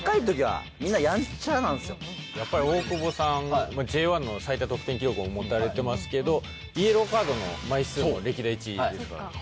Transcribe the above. やっぱり大久保さんＪ１の最多得点記録を持たれてますけどイエローカードの枚数も歴代１位ですから。